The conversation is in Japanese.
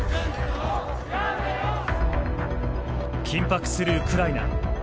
緊迫するウクライナ。